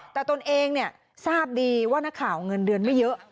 แต่ตนเองทราบดีว่านักข่าวเงินเดือนไม่เยอะ